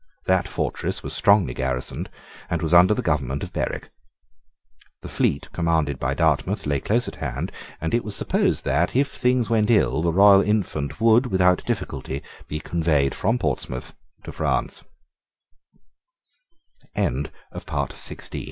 That fortress was strongly garrisoned, and was under the government of Berwick. The fleet commanded by Dartmouth lay close at hand: and it was supposed that, if things went ill, the royal infant would, without difficulty, be conveyed from Portsmouth to Fran